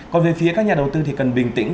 còn về phía các nhà đầu tư thì cần bình tĩnh